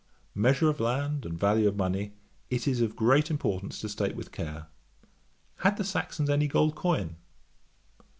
Measure of land, and value of money, it is of great importance to state with care. Had the Saxons any gold coin?